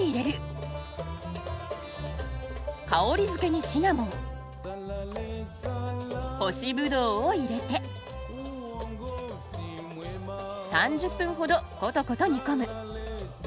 香りづけにシナモン干しぶどうを入れて３０分ほどことこと煮込む。